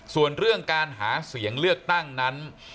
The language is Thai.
ส่วนเรื่องการหาเสียงเลือกตั้งนั้น